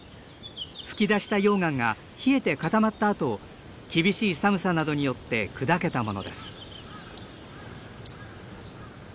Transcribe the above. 噴き出した溶岩が冷えて固まったあと厳しい寒さなどによって砕けたものです。